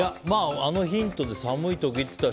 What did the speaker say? あのヒントで寒いって言ったら。